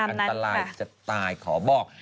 อันตรายจะตายขอบอก